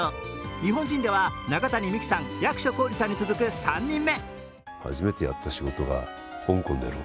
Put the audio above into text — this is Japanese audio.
日本人では中谷美紀さん、役所広司さんに続く３人目。